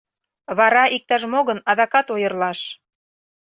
Вара иктаж-мо гын, адакат ойырлаш.